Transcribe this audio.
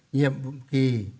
nhiệm vụ kỳ